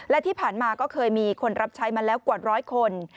และที่ผ่านมาก็เคยมีคนรับใช้มาแล้วกว่าร้อยคน